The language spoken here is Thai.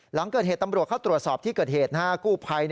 หลังเกิดเหตุตำรวจเข้าตรวจสอบที่เกิดเหตุกู้ภัย